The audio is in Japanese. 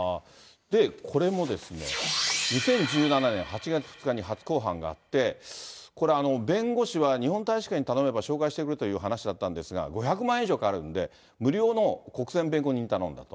これも、２０１７年８月２日に初公判があって、これ、弁護士は日本大使館に頼めば紹介してくれるという話だったんですが、５００万円以上かかるんで、無料の国選弁護人に頼んだと。